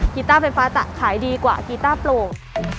กีต้าไฟฟ้าจะขายดีกว่ากีต้าโปรด